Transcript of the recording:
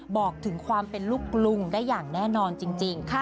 บอกถึงความเป็นลูกกรุงได้อย่างแน่นอนจริง